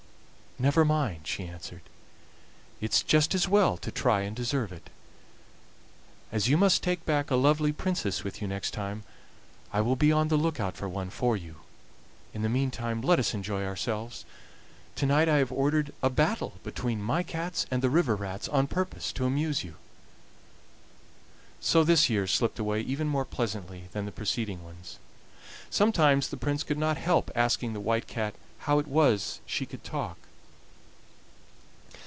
"Never mind," she answered, "it's just as well to try and deserve it. As you must take back a lovely princess with you next time I will be on the look out for one for you. In the meantime let us enjoy ourselves; to night I have ordered a battle between my cats and the river rats on purpose to amuse you." So this year slipped away even more pleasantly than the preceding ones. Sometimes the Prince could not help asking the White Cat how it was she could talk.